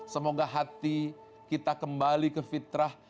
semoga hati kita kembali ke fitrah